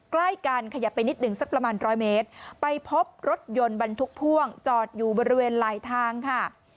ใกล้กันขยับไปนิดหนึ่งสักประมาณร้อยเมตรไปพบรถยนต์บรรทุกพ่วงจอดอยู่บริเวณไหลทางค่ะ